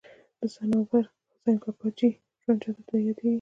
د صنوبر حسین کاکاجي ژوند چاته یادېږي.